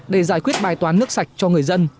để giải quyết bài toán nước sạch cho người dân